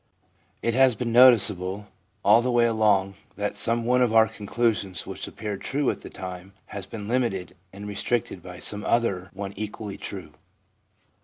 It has been noticeable all the way along that some one of our conclusions which appeared true at the time has been limited and restricted by some other one equally true.